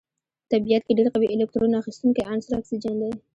په طبیعت کې ډیر قوي الکترون اخیستونکی عنصر اکسیجن دی.